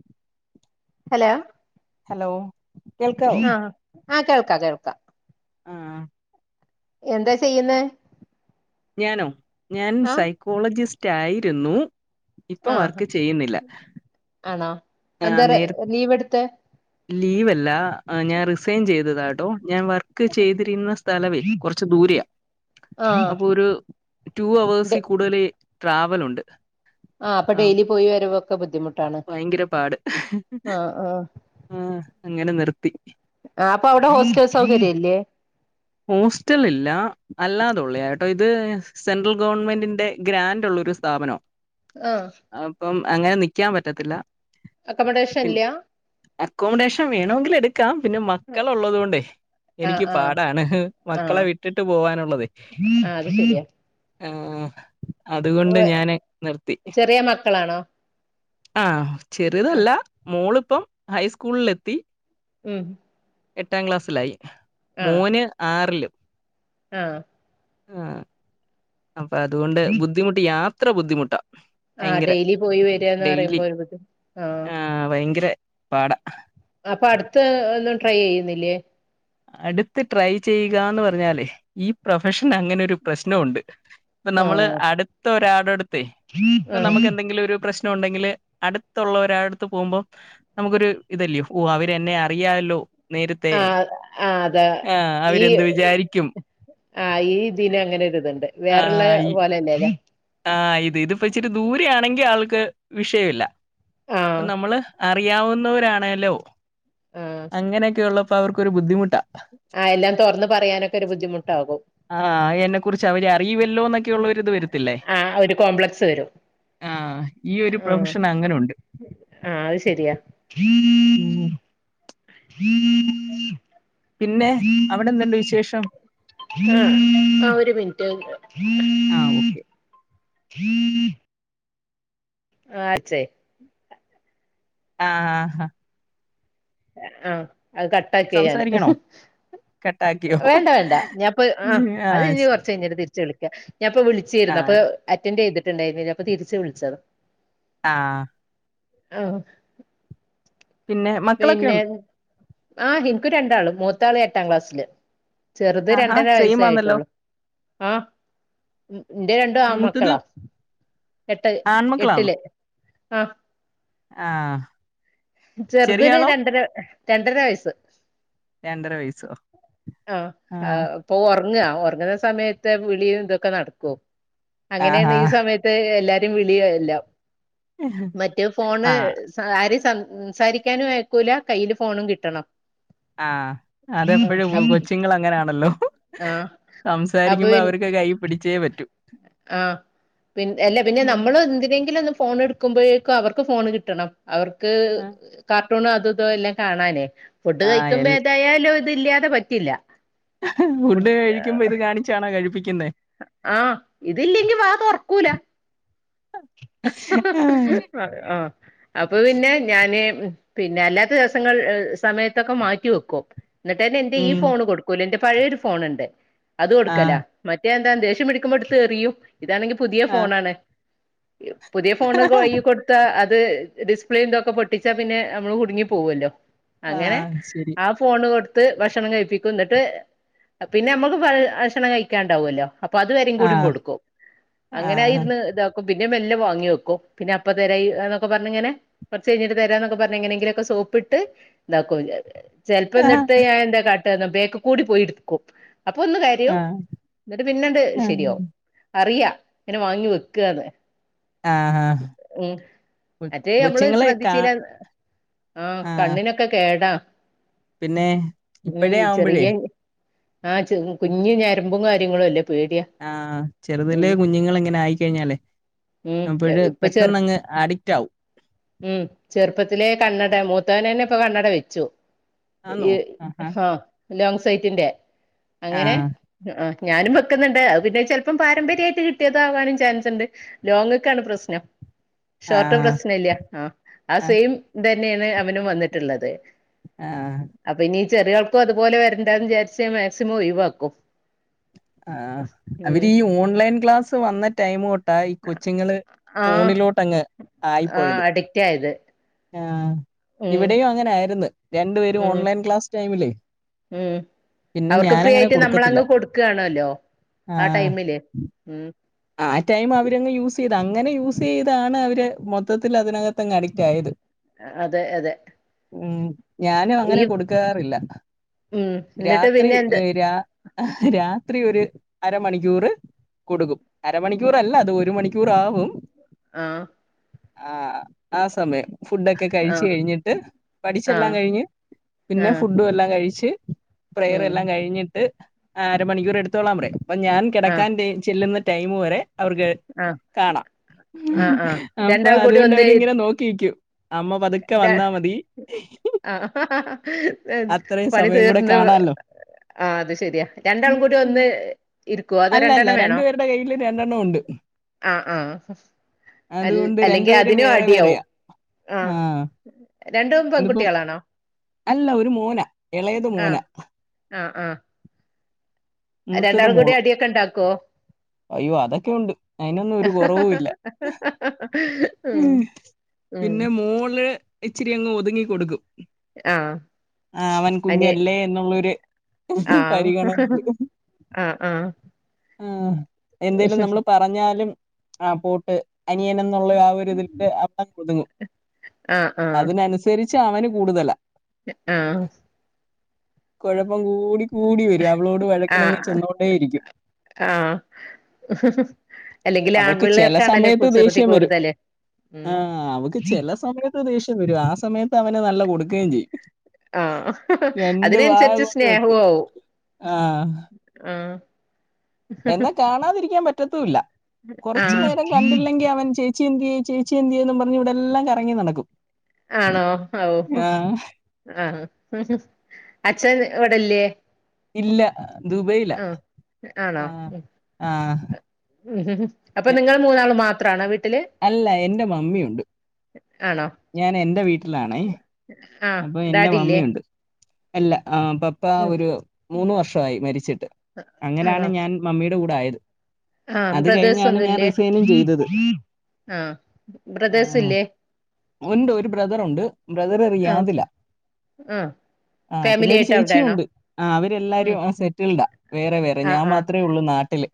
[inaudible] Hello hello കേൾക്കവോ ആ കേൾക്കാം കേൾക്കാം ആഹ് എന്താ ചെയ്യുന്നെ ഞാനോ ഞാൻ സൈക്കോളജിസ്റ്റ് ആയിരുന്നു ഇപ്പൊ ആഹ് വർക്ക് ചെയ്യുന്നില്ല ആണോ ആ എന്താ നേരത്തെ ലീവ് എടുത്തെ [unintelligible] ലീവ് അല്ല ഞാൻ റിസൈൻ ചെയ്തതാ ഞാൻ വർക്ക് ചെയ്തിരുന്ന സ്ഥലവിൽ കുറച്ച ദൂരെയ ആഹ് അപ്പൊ ഒരു ടു ഹവേഴ്സിൽ കൂടുതൽ ട്രാവൽ ഉണ്ട് ആ അപ്പൊ ഡെയിലി പോയി വരുവോക്കെ ബുധിമുട്ട് ഭയങ്കര പാട് ആഹ് ആഹ് ആഅങ്ങനെ നിർത്തി ആ അപ്പൊ അവിടെ ഹോസ്റ്റൽ സൗകര്യല്ലേ ഹോസ്റ്റൽ ഇല്ല അല്ലാതുള്ളേയാട്ടോ ഇത് സെൻട്രൽ ഗവൺമെന്റിന്റെ ഗ്രാന്ൻറ് ഉള്ള ഒരു സ്ഥാപനം ആ അങ്ങനെ നിക്കാൻ പറ്റത്തില്ല അക്കമഡേഷൻ പി ഇല്ലയ അക്കോമഡേഷൻ വേണമെങ്കിൽ എടുക്കാം പിന്നെ മക്കള ആഹ് ഉള്ളത് കൊണ്ടേ ആഹ് എനിക്ക് പ ആഹ് ാണ് മക്കളെ ആഹ് വിട്ടിട്ട് പോവാനുള്ളത് അത് ശരിയാ ആ അതുകൊണ്ട് ഞാന് നിർത്തി ചെറിയ മക്കളാണോ ആഹ ആഹ് ചെറുതല്ല മോളിപ്പം ഹൈസ്കൂളിലെത്തി ഉം എട്ടാം ക്ലാസ്സിലായി മോൻ ആറില് ആഹ ആഹ അപ്പൊ അതുകൊണ്ട് ബുദ്ധിമുട്ട് യാത്ര ബുദ്ധിമുട്ടാ ആ ഭയങ്കര ഡെയിലി പോയി വരികന്ന് ഡെയിലി പറയുമ്പോ ഒരു ഇതാ ആഹ പാട അപ്പൊ അടുത്ത് ഒന്നും ട്രൈ ചെയ്യുന്നില്ലേ അടുത്ത് ട്രൈ ചെയ്യുകന്ന് പറഞ്ഞല്േ ഈ പ്രൊഫഷൻ അങ്ങനെ ഒരു പ്രശ്നംുണ്ട് ഇപ്പൊ നമ്മള് ആഹ് അടുത്ത ഒരാട അടുത്ത ഇപ്പൊ ആഹ് നമുക്ക് എന്തെങ്കിലും ഒരു പ്രശ്നം ണ്ടെങ്കിൽ അടുത്തുള്ള ഒരാടുത്ത് പോകുമ്പോം നമുക്കൊരു ഇതല്ലയോ ഓ അവര് എന്നെ അറിയാല്ലോ നേരത്തെേ ആ ആ അതെ ഈ ആഹ ഈ ദിനം അങ്ങനെ ഒരു ഇതുണ്ട് വേറെള്ള പോലെല്ലേ. ആഹ് ഇത് ഇതിപ്പോ ഇച്ചിരി ദൂരെ ആണെങ്കിൽ ആൾക്ക് വിഷയ ഇില്ല ആ അൊ നമ്മള് അറിയാവുന്നവരാണല്ലോ ആ അങ്ങനെയൊക്കെ ഉള്ളപ്പോ അവർക്കൊരു ബുദ്ധിമുട്ടാ ആ എല്ലാം തുറന്ന് പറയാനൊക്കെ ഒരു ബുദ്ധിമുട്ടാകും ആഹ എന്നെ കുറിച്ച് അവര് അറി ലോഎന്നൊരു ഇത് വരത്തില്ലേ ആ ഒരു കോംപ്ലക്സ് വരും ആ ഈ ഒരു ആ പ്രൊഫഷൻ അങ്ങനെുണ്ട് ആ അത് ശരിയാ ഉം പിന്നെ അവിടെ എന്തുണ്ട് വിശേഷം ആ ഒരു മിനിറ്റ് ആ ഹം ഓക്കെ [inaudible] ആഹച്ചെ ആഹ ആഹ് ആഹ ആഹ അത് കട്ട ആാക്കിയ ഞാന് സംസാരിക്കണോ കട്ടാക്കിയോ വേണ്ട വേണ്ട ഞാൻപ്പൊ ആ അത് ഇനി കുറച്ച് കഴഞ്ഞിട്ട് തിരിച്ച്ു വിളിക്കും ഞാൻപ്പൊ വിളിച്ചിരുന്നു അപ്പൊ ആഹ് അറ്റൻഡ് ചെയ്തിട്ടുണ്ടായിുന്ന അപ്പ തിരിച്ച് വിളിച്ചതോ ആഹ ആഹ പിന്നെ മക്കളൊക്കെുണ്ട് ആഹ എനിക്ക് രണ്ടാള് മൂത്താള് എട്ടാം ക്ലാസ്സില് ചെറുത് ആഹാ രണ്ടര സെയിം ആന്നല്ലോ വയസ്സായിട്ടോുള്ളൂ ആ എന്റെ രണ്ടു ആണ് മൂത്തത് മക്കളാ എട്ട് എട്ടില് ആഹ് ആഹ ചെറുതിന് രണ്ടര രണ്ടര വയസ്സ് രണ്ടര വയസ്സോ ആഹ ആഹ് ആ് പോ ഉറങ്ങുന്നേ സമയത്ത് വിളിയും ഇതൊക്കെ നടക്കും അങ്ങനെയാണ് ആഹാ ഈ സമയത്ത് എല്ലാർക്കും വിളിയെല്ലാം മറ്റേഫോൺ ആഹ് സംസാരിക്കാനും ആയക്കൂല കയ്യിയില് ഫോണും കിട്ടണം ആഹ അതെപ്പോഴും കൊച്ചുങ്ങൾ അങ്ങനെയാണല്ലോ ആഹ് സംസാരിക്കുമ്പോ അവർക്ക് കൈ പിട ആഹ പിന്ന അല്ല പിന്നെ നമ്മൾ എന്തിനെങ്കിലും ഒന്ന് ഫോൺ എടുക്കുമ്പോ അവർക്ക് ഫോൺ കിട്ടണം അവർക്ക് കാർട്ടൂണോ അത ഇതോ എല്ലാം കാണാനേ ഫുഡ് ആഹ് കഴിക്കുമ്പോ എൽ ഏതായാലും ഇതില്ലാതെ പറ്റില്ല ഫുഡ് കഴിക്കുമ്പോ ഇത് കാണിച്ചാണോ കഴിപ്പിക്കുന്ന ആഹ് ഇതില്ലെങ്കി വാത് ഉറക്കൂല ആഹ ആഹ് അപ്പൊ പിന്നെ ഞാന് പിന്നെ അല്ലാത്ത ദിവസങ്ങൾ സമയത്തൊക്കെ മാറ്റി വെക്കും എന്നിട്ട് എന്റെ ഈ ഉം ഫോൺ കൊടുക്കൂലോ എന്റെ പഴയൊരു ഫോണുണ്ട് അത് കൊടുക്കല ആഹ് മറ്റേ അദേഷ്യം പിടിക്കുമ്പോ അടുത്ത്ത്തെറും ഇതാണെങ്കിൽ പുതിയ ആഹ് ഫോണാണ് പുതിയ ഫോണ് കഴ കൊടുത്ത അ ത് ഡിസ്പ്ലേന്തൊക്കെ പൊട്ടിച്ചാ പിന്നെ നമ്മള് കുടുങ്ങി പോവല്ലോ അങ്ങനെ ആഹ് ശരി ആ ഫോണ് കൊടുത്ത് ത്ത് ഭക്ഷണം കഴിപ്പിക്ക എന്നിട്ട് പിന്നെ നമ്മുക്ക് ഭക്ഷണം കഴിക്കാണ്ടാവുമല്ലോ അപ്പൊ അത്വരും കൂടിയും ആഹ് കൊടുക്കും ആഹ് അങ്ങനൊയിരുന്നു പിന്നെ മെല്ല വാങ്ങി വക്ക പിന്നെ അപ്പ തരൊക്കെ പറെ കുറച്ച് കഴിഞ്ഞി തരൊന്നാ പറഞ്ഞു സോപ്പിട്ടു പ്പിട്ട് ഇതാക്കും ചെലപ്പോം എന്നിട്ടത്ത് ഞാ എന്താ കാട്ടന്ന ബേക്ക് കൂടി പോയിടുക്കും അപ്പൊ ഒന്ന് കാര്യോ ആഹ് എന്നിട്ട് പിന്നെണ്ട് ശരിയാ അറിയ ഇങ്ങനെ വാങ്ങി വെക്ക ആഹ് ഉ മറ്റേ നമ്മള് കൊച്ചുങ്ങളെ കാ ശ്രദ്ധിച്ചില്ല ആഹ ആഹ് കണ്ണിനൊക്കെ കേടാ പിന്നെ ഉം ഇപ്പഴേ ആവുമ്പഴേ ചെറിയ ആഹ കുഞ്ഞു ഞരമ്പും കാര്യങ്ങളുംല്ലേ ആഹ് ചെറുതല്ല കുഞ്ഞുങ്ങൾ എങ്ങനെ ആയിക്കഴിഞ്ഞ അല്ലെ ഉം നപ്പോ ഇപ്പൊ ചെർ പെട്ടെന്ന് അങ്ങ് അഡിക്റ്റ് ആകും ഉം ചെറുപ്പത്തിലെ കണ്ണട മൂത്തവന തന്നെ ഇപ്പൊ കണ്ണട വെച്ചു ആന്നോ ഈ ആഹാ ആ ലോങ് സൈറ്റിന്റെ അങ്ങനെ ആഹ് ആ ഞാനും വെക്കുന്നുണ്ട് പിന്നെ ചെപ്പം പാരമ്പര്യമായിട്ട് കിട്ടിയത ആകാനും ചാൻസ്ണ്ട് ലോങ്ങക്കാണ് പ്രശ്നം ഷോർട്ട് ആഹ് പ്രശ്ന ഇല്ല ആഹ ആ ആഹ് സെയിം തന്നെയാണ് അവനും വന്നിട്ടുള്ളത് ആഹ ചെറിയാൾക്കും അതുപോലെ വരണ്ടാന്ന് വിചാരിച്ച് മാക്സിമം ഒഴിവാക്കും ആ ഉം അവര് ഈ ഓൺലൈൻ ക്ലാസ് വന്ന ടൈമ തൊട്ട് തട്ടായി കൊച്ചുങ്ങള് ആഹ് ഫോണിലോട്ടങ്ങ് ആഹ് ആയിപ്പോയത് അഡിക്റ്റ് ആയത് ആ് ഉം ഇവിടെയും അങ്ങനെ ആയിരുന്നു രണ്ടു പേരും ഉം ഓൺലൈൻ ക്ലാസ് ടൈമിലേ ഉം പിന്നെ അവർക്ക് ഞാന ഫ്രീ അങ്ങനെ ആയിട്ട് കൊടുക്കത്തില്ല നമ്മളങ്ങ് കൊടുക്കാണല്ലോ ആ ഉം ആ ടൈം അവരങ് യൂസ് ചെയ്താ അങ്ങനെ യൂസ് ചെയ്താണ് അവര് മൊത്തത്തിൽ അതിനകത്ത് അഡിക്റ്റ് ആയത് അതെ അതെ ഉ ഞാനും ഈ അങ്ങനെ കൊടുക്കാറില്ല ഉം എന്നിട്ട് രാത്രി പിന്നെ എന്ത് രാ രാ ത്രി ഒരു അരമണിക്കൂറ് കൊടുക്കും അരമണിക്കൂറല്ല അത് ഒരു മണിക്കൂറാവും ആഹ ആഹ ആ സമയം ഫുഡൊക്കെ കഴിച്ചു ആഹ് കഴിഞ്ഞിട്ട് പഠിച്ചെല്ലാം ആഹ് കഴിഞ്ഞ് പിന്നെ ആഹ് ഫുഡും എല്ലാം കഴിച്ച് പ്രയർ ഉം എല്ലാം കഴിഞ്ഞിട്ട് അരമണിക്കൂർ എടുത്തോളാം പറേ അപ്പൊ ഞാൻ ആഹ് കിടക്കാൻ ചെല്ലുന്ന് ടൈം വരെ അവർക്ക് ആഹ് കാണാം ആഹ് ആഹ് അപ്പൊ രണ്ടാളും അതുകൊണ്ട് അവരിങ്ങനെ നോക്കിക്കും ആഹ അത്രയും പണി സമയം കൂടെ തിയർന്ന കാണാമല്ലോ ആ അത് ശരിയാ രണ്ടാളും കൂടി ഒന്ന് ഇരിക്കുവ അതോ അല്ല അല്ല രണ്ടെണ്ണം വേണോ രണ്ടുപേരുടെ കയ്യിൽ രണ്ടെണ്ണം ഉണ്ട് ആഹ ആഹ അ അതുകൊണ്ട് അല്ലെങ്കിൽ രണ്ടുപേരും അതിനും വേറെ അടിയവും വേറെയാ ആഹ ആ രണ്ട ഇന്നിപ്പം പെൺകുട്ടികളാണോ അല്ല ഒരു മോന ഇളയത് ആഹ മോന ആഹ ആഹ മൂത്തത് രണ്ടാൾ കൂടി മോളും അടൊക്കെ ഇണ്ടാക്കുവോ അയ്യോ അതൊക്കെ ഒണ്ട് അയ്നൊന്നും ഒരു കൊറവും ഇല്ല ഉം ഉം പിന്നെ മോള് ഇച്ചിരി അങ്ങ് ഒതുങ്ങി കൊടുക്കും ആഹ് ആ അവൻ കുഞ്ഞല്ലേ എന്നുള്ളൊര് പരിഗണനയില് ആഹ് ആഹ് ആ എന്തേലും നമ്മള് പറഞ്ഞാലും ആഹ് പോട്ട് അനിയന് എന്നൊള്ള ആ ഒര് ഇതില് അവളങ്ങ് ഒതുങ്ങും ആ ആ അതിനനുസരിച്ച് ച്ചാ അവന് കൂട്തലാ ആഹ് കൊഴപ്പം കൂടി കൂടി വരും അവളോട് വഴക്കിനങ്ങ് ചെന്നോണ്ടേയിരിക്കും ആഹ് അല്ലെങ്കിലും ആൺ അവൾക്ക് പിള്ളാർക്കാണല്ലോ കുസൃതി കൂടുതല് ഉം ആഹ് അവക്ക് ചെല സമയത്ത് ദേഷ്യം വരും ആ സമയത്ത് അവന് നല്ല കൊട്ക്കയും ചെയ്യും ആ രണ്ട് വാഴ അതിനനുസരിച്ച് കൊണ്ട് വെക്കും സ്നേഹവും ആവും ആഹ് ആ എന്നാ കാണാതിരിക്കാൻ പറ്റത്തും ഇല്ല ആ കുറച്ചു നേരം കണ്ടില്ലെങ്കി അവൻ ചെ ചേച്ചി എന്തിയെ ചേച്ചി എന്തിയെന്ന് പറഞ് ഇവ്ടെല്ലാം കറങ്ങി നടക്കും ആണോ ഓ ആ. ആഹ് അച്ഛൻ- ഇവ്ട്ല്ലേ ഇല്ല ദുബൈയിലാ. ആ ആണോ ആ. ആ. അപ്പ ഞ നിങ്ങൾ മൂന്നാള് മാത്രം അല്ല എന്റെ മമ്മിയുണ്ട് ആണോ ഞാൻ എന്റെ വീട്ട്ലാണേ ആഹ് അപ്പൊ എന്റെ ഡാഡി ഇല്ലേ മമ്മിയൊണ്ട് അല്ല ആ പപ്പ ഉം ഒര് മൂന്ന് വർഷം ആയി മരിച്ചിട്ട് അങ്ങനാണ് ആണോ ഞാൻ മമ്മിടെ കൂ ടായത് ആഹ് ബ്രദേഴ്‌സ് ഒന്നും ഇല്ലേ ചെയ്തത്. ആഹ് ബ്രദേഴ്സ് ഇല്ലേ ഒണ്ട് ഒരു ബ്രദറൊണ്ട് ബ്രദറ് ആഹ് റിയാദിലാ ആഹ് ആ പിന്നെ ഫാമിലി ഒര് ആയിട്ട് ചേച്ചിം അവിടെയാണോ ഒണ്ട് ആ ഉം അവരെല്ലാരും ഉം സെറ്റിൽഡാ വേറെ വേറെ ആഹ് ഞാൻ ആഹ് മാത്രവേ ഒള്ളൂ നാട്ടില്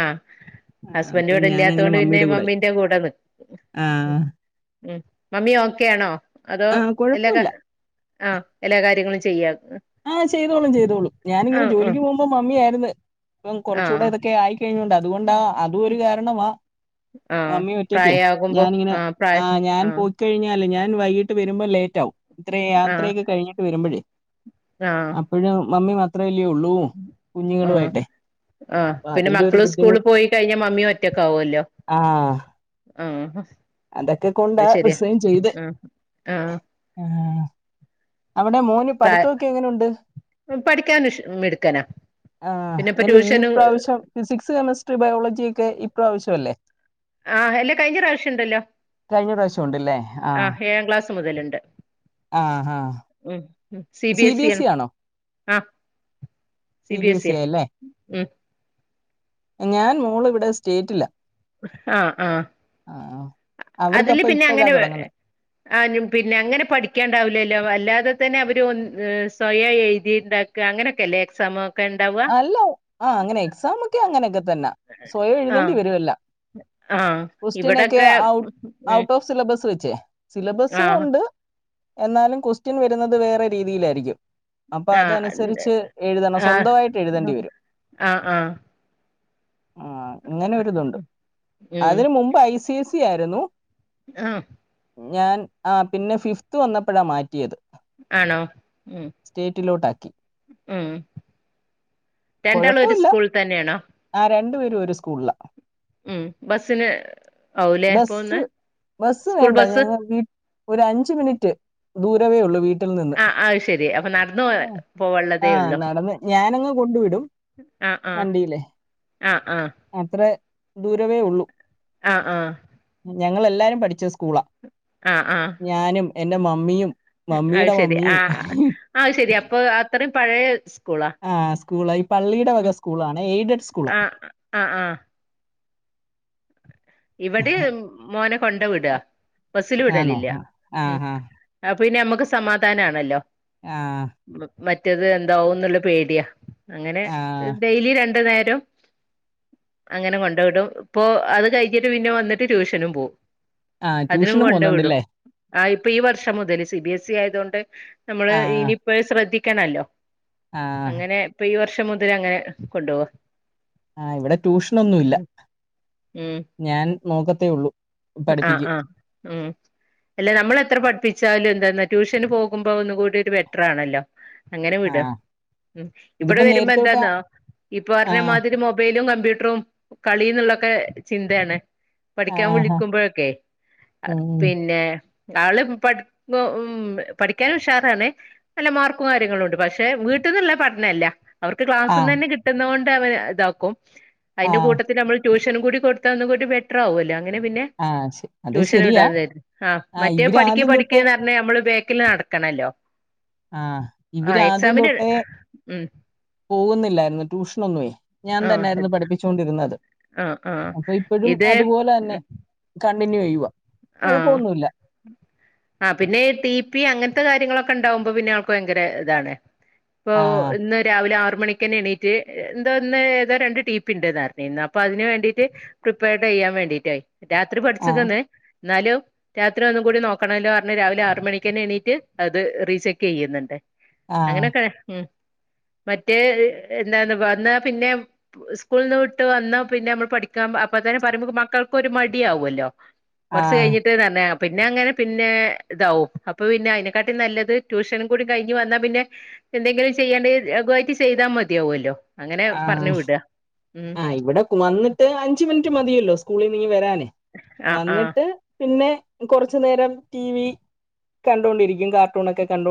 ആഹ് ആ ഹസ്ബൻഡ് അപ്പൊ ഇവ്ടെ ഞാനങ്ങനെ ഇല്ലാത്തൊണ്ട് പിന്നെ മമ്മിയുടെ കൂടായി. മമ്മീന്റെ കൂടെ ആ ഉം മമ്മി ഓക്കൊആണോ അതോ ആ എല്ലാ ക കുഴപ്പമില്ല. ആഹ് എല്ലാ കാര്യങ്ങളും ചെയ്യാ ആഹ് ചെയ്തോളും ചെയ്തോളും ഞാനിങ്ങനെ ആഹ് ആഹ് ജോലിക്ക് പോക്മ്പം മമ്മിയാര്ന്ന് ഇപ്പം കൊറച്ചുടെ ആഹ് ഇതൊക്കെ ആയി കഴിഞ്ഞകൊണ്ടാ അതുകൊണ്ടാ അതും ഒര് കാരണവാ ആഹ് മമ്മി ഒറ്റക്കെ പ്രായാകുമ്പോ ഞാനിങ്ങനെ ആഹ് പ്രായ ആ ഞാൻ ആഹ് പോയ്ക്കഴിഞ്ഞാല് ഞാൻ വൈകിട്ട് വരുമ്പ ലേറ്റ് ആവും ഇത്ര ആഹ് യാത്രയൊക്കെ കഴിഞ്ഞിട്ട് വരുമ്പഴേ ആഹ് അപ്പഴ്‌ മമ്മി മാത്രം അല്ലെ ഒള്ളൂഴ കുഞ്ഞുങ്ങള് ആഹ് ആയിട്ടേ ആഹ് പിന്നെ മക്കള് സ്കൂള് പോയി കഴിഞ്ഞ മമ്മി ഒറ്റക്ക് ആവ് ല്ലോ ആ ആഹ് അതൊക്കെ കൊണ്ടാ അത് ശെരിയാ റിസൈൻ ചെയ്തേ. ആഹ് ആഹ് അവ്ടെ മോന് പടുത്തം ഒക്കെ എങ്ങനെഒണ്ട് പഠിക്കാൻ മിടുക്കനാ ആ പിന്നെ ഇപ്പ യല്ല ഈ ട്യൂഷനും പ്രാവ്ശ്യം ഫിസിക്സ് കെമിസ്ട്രി ബയോളജി ഒക്കെ ഇ ക്കാവശം അല്ലെ ആഹ് എല്ലാ കഴിഞ്ഞ പ്രാവശ്യണ്ടല്ലോ കഴിഞ്ഞ പ്രാവശ്യം ഉണ്ടല്ലേ ആ ആഹ് ഏഴാം ക്ലാസ് മുതല്ണ്ട് ആ ആ ഉം C BS B E S യാണ് ആണോ ആഹ് C B BS C S E യാ ആയല്ലേ ഉം ഞാൻ മോള് ഇവ്ടെ സ്റ്റേറ്റിലാ ആഹ് ആഹ് അതില് അവർക്കപ്പൊ പിന്നെ ഇപ്പോഴാ അങ്ങനെ തുടങ്ങുന്നത് അ നു പിന്നെ അങ്ങനെ പഠിക്കാണ്ടാവില്ലല്ലോ വല്ലാതെ തന്നെ അവര് സ്വയം എഴുതി ണ്ടാക്ക അങ്ങനെയൊക്കെല്ലേ എക്സാമ് അല്ല ആഹ് അങ്ങനെ എക്സാമൊക്കെ അങ്ങനെക്കെതന്ന സ്വയം എഴുതണ്ടി ആഹ് വരുവെല്ലാം ആഹ് കോസ്റ്റ്യനൊക്കെ ഇവിടൊക്കെ ഔ ഉം ഔട്ട് ഓഫ് സിലബസ് വച്ചേ. സിലബസു ആഹ് ഉണ്ട് എന്നാലും ക്വസ്റ്റ്യൻ വരുന്നത് വേറെ രീതിയിലായിരിക്കും അപ്പൊ അതനുസരിച്ച് എഴുതണം സ്വന്തവായിട്ട് ആ ആഹ ആഹ ആ ഇങ്ങനൊരിതുണ്ട്. അതിന് മുമ്പ് ഐ സി ഐ സി ആയിരുന്നു ആഹ ഞാൻ ആ പിന്നെ ഫിഫ്ത് വന്നപ്പഴാ മാറ്റിയത് ആണോ ഉ സ്റ്റേറ്റിലോട്ടാക്കി ഉം രണ്ടാളും ഒരു സ്കൂൾ തന്നെയാണോ രണ്ടു പേരും ഒരു സ്കൂൾ ളാ ഉം ബസ്സിന് ആവൂലേ ബസ്സ് പോവുന്നെ ബസ്സ് സ്കൂൾ വേണ്ട ബസ്സ് ഞങ്ങൾ വീ ഒരു അഞ്ച് മിനിറ്റ് ദൂരവേ ഉള്ളൂ വീട്ടി ആ അത് ശെരി, അപ്പൊ നടന്നു പോ ആ പോവള്ളതേ ഉള്ളു നടന്ന് ഞാനങ്ങ് കൊണ്ട് വിടും, വണ്ടീലേ.. ആഹ് ആഹ് അത്ര ദൂരവേ ഉള്ളൂ ആഹ ആഹ ഞങ്ങൾ എല്ലാരും പഠിച്ച സ്കൂളാ ആഹ ആഹ എൻ്റെ മമ്മിയും അത് മമ്മിയുടെ ശരി, മമ്മിയും ആ ആശരി അപ്പൊ അത്രയും പഴയ സ്കൂളാ ആ സ്കൂളാ ഈ പള്ളിയുടെ വക ഉം സ്കൂളാണ് എയ്ഡഡ് സ്കൂള ആഹ് ആഹ് ഇവട്യും മോനെ കൊണ്ട് വിട, ബസ്സിൽ ആണോ വിടലില്ല ആ ആ പിന്നെ നമ്മക്ക് സമാധാനാണല്ലോ ആഹ മറ്റേത് എന്താവുംന്നുള്ള പേടിയാ അങ്ങനെ ആഹ് ഡെയ്‌ലി രണ്ട് നേരം അങ്ങനെ കൊണ്ട് വിടും. ഇപ്പൊ അത് കഴിഞ്ഞിട്ട് പിന്നെ വന്നിട്ട് ട്യൂഷനും പോവും ആ അതിനും ട്യൂഷനും കൊണ്ട് വിടും പോന്നോണ്ടില്ലേ ആ ഇപ്പൊ ഈ വർഷം മുതല് സി ബി എസ് ഇ ആയത് കൊണ്ട് നമ്മള് ആഹ് ഇനിയിപ്പോ ശ്രദ്ധിക്കനല്ലോ ആഹ് അങ്ങനെ ഇപ്പൊ ഈ വർഷം മുതൽ അങ്ങനെ കൊണ്ടു പോവ്വ ആ് ഇവിടെ ട്യൂഷനൊന്നുവില്ല. ഞാൻ നോക്കത്തേ ഉള്ളു ആഹ ആഹ് ഉം അല്ല നമ്മൾ എത്ര പഠിപ്പിച്ച് ച്ചാലും എന്തന്ന ട്യൂഷന് പോകുമ്പോ ഒന്നുകൂടി ഒരു ബെറ്ററാണല്ലോ അങ്ങനെ വിട, ആഹ് ഉം ഇബടെ ഇതിപ്പോ വരുമ്പോ നേരത്തെ തൊട്ടാ എന്താന്നോ, ഇപ്പ ആഹ് പറഞ്ഞമാതിരി മൊബൈലും കമ്പ്യൂട്ടറും റും കളിന്നുള്ളൊക്കെ ചിന്തയാണ് പഠിക്കാൻ വിളി ആഹ് ക്കുമ്പോഴൊക്കെ ഉം പിന്നെ ആള് പഠി പഠിക്കാനും ഉഷാറാണ് നല്ല മാർക്കും കാര്യങ്ങളുംണ്ട്. പക്ഷെ വീട്ട ട്ട്ന്ന്ള്ള പഠനല്ല. അവർക്ക് ആഹ് ക്ലാസ്ന്ന്ന്നെ കിട്ടുന്നോണ്ട് അവരിതാക്കും. അയ്ന്റെ ആഹ് കൂട്ടത്തിൽ നമ്മൾ ട്യൂഷനും കൂടി കൊടുത്ത ഒന്നുംകൂടി ബെറ്ററാവ്വല്ലൊ അങ്ങനെ പി ആഹ് ശ അത് ട്യൂഷന് ശരിയാ. വിടാംന്ന് കര്തി. ആ ആഹ് മറ്റേ പഠിക്ക് ഇവരാദ്യം പഠിക്ക് തൊട്ടേ ന്നർഞ്ഞ് നമ്മള് ബേക്കില് നടക്കണല്ലോ ആഹ് ആ ഇവര് ആദ്യം എക്സാമിന്റെ തൊട്ടേ ഉം പോകുന്നില്ലായിരുന്നു. ട്യൂഷനൊന്നുവേ ഞാൻ ആ തന്നായിരുന്നു പഠിപ്പിച ച്ചോണ്ടിരുന്നത്. ആ ആ അപ്പൊ ഇപ്പഴും ഇത് അതുപോലെ തന്നെ കണ്ടിന്യൂ ചെയ്യുവ ആഹ ആ പിന്നെ ടി പി അങ്ങനെ ഇ കാര്യങ്ങളൊക്കെണ്ടാവുമ്പോ പിന്നെ അവൾക്ക് ഭയങ്കര ഇതാണ്. പ്പൊ ആഹ് ഇന്ന് രാവിലെ ആറു മണിക്കെന്നെ എണീറ്റ് എന്തോ ഇന്ന് ഏതോ രണ്ട് ടി. പി ണ്ട്ന്ന് പർഞ്ഞ്, അപ്പൊ അതിന് വേണ്ടിട്ട് പ്രിപ്പർട് യ്യ ചെയ്യാൻ വേണ്ടീട്ടെയ്, രാത്രി പഠിച്ച് ആഹ് ക്ന്ന് ന്നാലും രാത്രി ഒന്നും കൂടി നോക്കണമ ല്ലോന്നറഞ്ഞ് രാവിലെ ആറ് മണിക്ക്ന്നെ എണീറ്റ് അത് റീ ചെക്ക് ചെയ്യുന്നുണ്ട് ആഹ് അങ്ങനെയൊക്കെ ഉം മറ്റേ എന്താ വന്ന പിന്നെ സ്കൂളിൽ നിന്ന് വിട്ട് വന്ന പിന്നെ നമ്മൾ പഠിക്കാൻ അപ്പ തന്നെ പറയ്മ്പൊ മക്കൾക്കൊരു മടിയാവല്ലോ കുറച്ച് ആഹ് കഴിഞ്ഞിട്ട് ന്നർഞ്ഞ പിന്നെ അങ്ങനെ പിന്നെ ഇതാവും അപ്പ പിന്നെ അയിനെക്കാട്ടി നല്ലത് ട്യൂഷനും കൂടി കഴിഞ്ഞവന്നാ പിന്നെ എന്തെങ്കിലും ചെയ്യേണ്ടി രഘുയിട്ട് ചെയ്താ മതിയാവുല്ലോ. ആ അ ഇവിടെ വന്നിട്ട് അഞ്ച് മിനിറ്റ് മതിയല്ലോ സ്കൂളിൽ നിങ്ങ് വരാൻ. ആ ആ വന്നിട്ട് പിന്നെ. കുറച്ചു നേരം ടി വി കണ്ടോണ്ടിരിക്കും. കാർട്ടൂൺ ഒക്കെ കണ്ടോ.